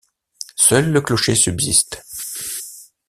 Seul le clocher subsiste.